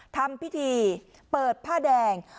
ทำพิธีเปิดผ้าแดง